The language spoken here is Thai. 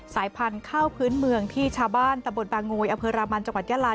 พันธุ์ข้าวพื้นเมืองที่ชาวบ้านตะบนบางโงยอำเภอรามันจังหวัดยาลา